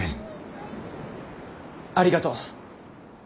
ありがとう。